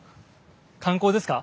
観光ですか？